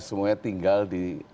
semuanya tinggal di